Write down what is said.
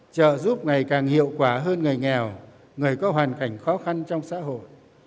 trợ giúp ngày càng hiệu quả hơn người nghèo người có hoàn cảnh khó khăn trong xã hội